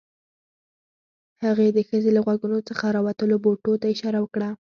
هغې د ښځې له غوږونو څخه راوتلو بوټو ته اشاره وکړه